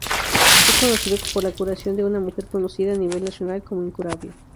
Fue conocido por la curación de una mujer conocida a nivel nacional como incurable.